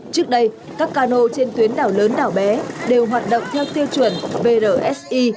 trước đây các cano trên tuyến đảo lớn đảo bé đều hoạt động theo tiêu chuẩn brsi